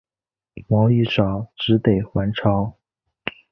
王玉藻只得还朝。